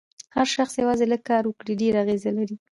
هر شخص یوازې لږ کار وکړي ډېر اغېز لري.